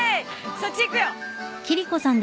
そっち行くよ。